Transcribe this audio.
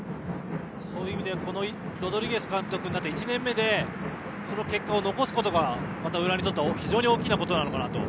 そういう意味ではロドリゲス監督になって１年目で結果を残すことがまた浦和にとっては非常に大きなことなのかなと。